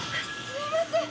すいません。